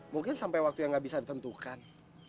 mungkin sampai waktu yang nggak bisa ditentukan